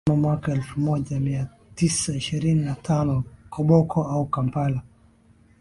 mnamo mwaka elfu moja mia tisa ishirini na tano Koboko au Kampala